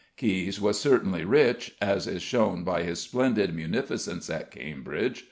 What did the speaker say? Caius was certainly rich, as is shown by his splendid munificence at Cambridge.